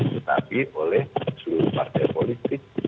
tetapi oleh seluruh partai politik